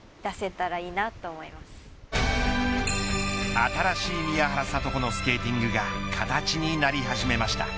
新しい宮原知子のスケーティングが形になり始めました。